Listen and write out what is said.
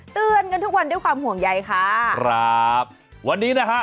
เตือนกันทุกวันด้วยความห่วงใยค่ะครับวันนี้นะฮะ